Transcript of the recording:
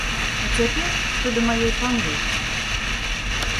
А цяпер, што да маёй памылкі.